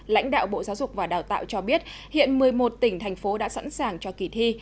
lãnh đạo bộ giáo dục và đào tạo cho biết hiện một mươi một tỉnh thành phố đã sẵn sàng cho kỳ thi